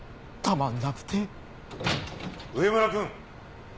・上村君。